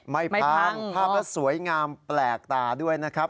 พังภาพและสวยงามแปลกตาด้วยนะครับ